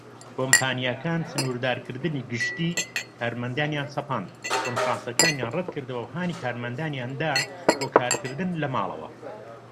کۆمپانیاکان سنوردارکردنی گەشتی کارمەندانیان سەپاند، کۆنفرانسەکانیان ڕەتکردەوە، و هانی کارمەندانیاندا بۆ کارکردن لە ماڵەوە.